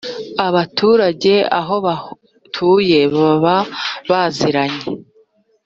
abaturage aho batuye, baba baziranye